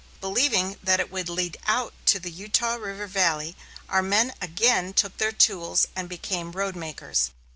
Believing that it would lead out to the Utah River Valley, our men again took their tools and became roadmakers.